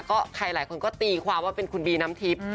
ก็ใครหลายคนก็ตีความว่าเป็นคุณบีน้ำทิพย์